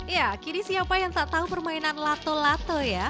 ya kini siapa yang tak tahu permainan lato lato ya